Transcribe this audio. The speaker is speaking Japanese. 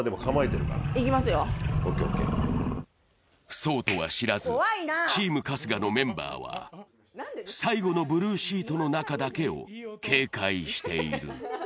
そうとは知らず、チーム春日のメンバーは最後のブルーシートの中だけを警戒している。